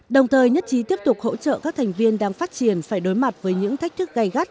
đồng thời nhất trí tiếp tục hỗ trợ các thành viên đang phát triển phải đối mặt với những thách thức gây gắt